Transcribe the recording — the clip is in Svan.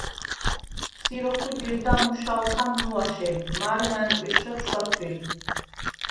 “სი როქუ̂ ჯირდა მუ შაუ̂ხან ნუაშე, მარე მა̈ნკუ̂იშ ხეხუ̂ ჩუ̂აცუ̂ირ.